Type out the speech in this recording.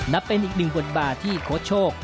นับเป็นอีกหนึ่งบทบาทที่โค้ชโชค